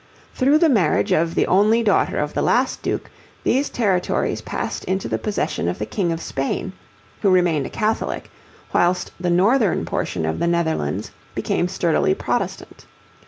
Through the marriage of the only daughter of the last Duke, these territories passed into the possession of the King of Spain, who remained a Catholic, whilst the northern portion of the Netherlands became sturdily Protestant.